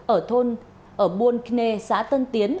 ở thôn buôn kne xã tân tiến